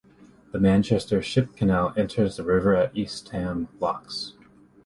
The Manchester Ship Canal enters the river at Eastham Locks.